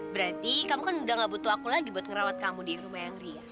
berarti kamu kan udah gak butuh aku lagi buat ngerawat kamu di rumah yang ria